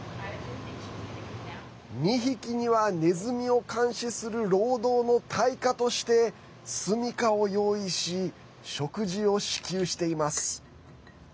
２匹にはネズミを監視する労働の対価として住みかを用意し食事を支給しています。